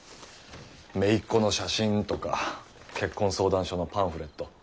姪っ子の写真とか結婚相談所のパンフレット。